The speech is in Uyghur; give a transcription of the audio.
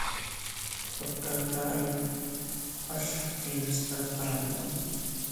توپتا دائىم« ئاشلىق» تېمىسىدا پاراڭ بولىدۇ.